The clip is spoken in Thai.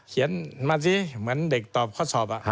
เขียนมาสิเหมือนเด็กตอบข้อสอบ